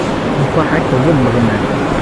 Nnṣaḥa-k tewweḍ leɣmam.